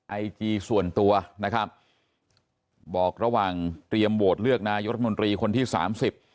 ไอจีส่วนตัวนะครับบอกระหว่างเตรียมโหวตเลือกนายรัฐมนตรีคนที่สามสิบ